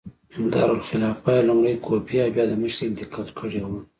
دارالخلافه یې لومړی کوفې او بیا دمشق ته انتقال کړې وه.